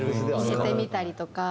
入れてみたりとか。